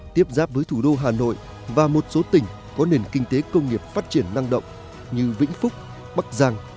tiếp giáp với thủ đô hà nội và một số tỉnh có nền kinh tế công nghiệp phát triển năng động như vĩnh phúc bắc giang